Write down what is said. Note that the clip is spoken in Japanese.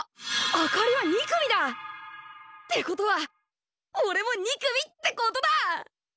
あかりは２組だ！ってことはおれも２組ってことだ！